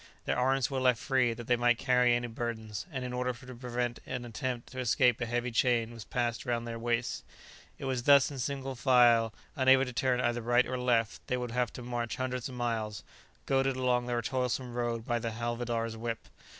Their arms were left free, that they might carry any burdens, and in order to prevent an attempt to escape a heavy chain was passed round their waists. It was thus in single file, unable to turn either right or left, they would have to march hundreds of miles, goaded along their toilsome road by the havildar's whip.